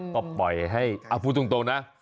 ก็ปล่อยให้พูดตรงนะ